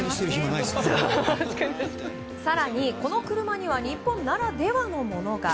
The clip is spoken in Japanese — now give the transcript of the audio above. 更に、この車には日本ならではのものが。